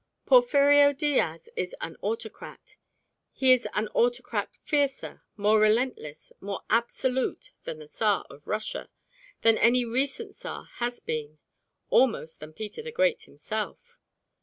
Porfirio Diaz is an autocrat. He is an autocrat fiercer, more relentless, more absolute than the Tsar of Russia, than any recent Tsar has been, almost than Peter the Great himself.